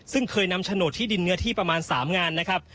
ซึ่งเคยนำโฉนดที่ดินเนื้อที่ประมาณ๓งานนะครับ